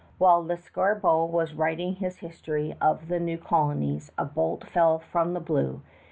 While L'Escarbot was writing his history of the new colonies a bolt fell from the blue.